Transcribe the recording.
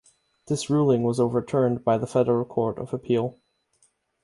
This ruling was overturned by the Federal Court of Appeal.